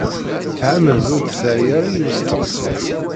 Tεemmed ur d-terri ara i usteqsi.